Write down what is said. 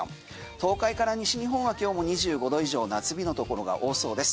東海から西日本は今日も２５度以上夏日のところが多そうです。